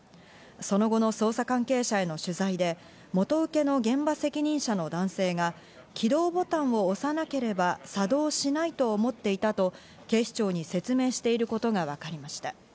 その後の捜査関係者への取材で元請けの現場責任者の男性が起動ボタンを押さなければ作動しないと思っていたと警視庁に説明していることがわかりました。